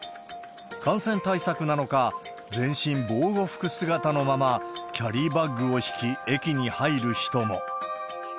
感染対策なのか、全身防護服姿のまま、キャリーバッグを引き、駅に入る人も。